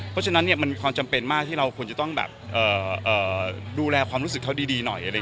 เพอร์ฉะนั้นมันมีความจำเป็นมากว่ามีได้ดูแลความรู้สึกเขาดีหน่อย